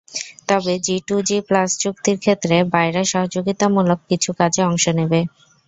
তবে G to G plus চুক্তির ক্ষেত্রে বায়রা সহযোগিতামূলক কিছু কাজে অংশ নেবে।